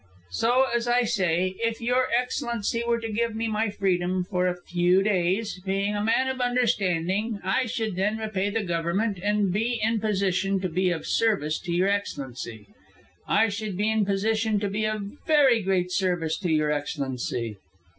"So, as I say, if Your Excellency were to give me my freedom for a few days, being a man of understanding, I should then repay the Government and be in position to be of service to Your Excellency. I should be in position to be of very great service to Your Excellency."